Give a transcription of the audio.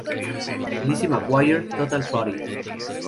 Lizzie McGuire Total Party!